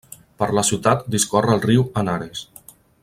Per la ciutat discorre el riu Henares.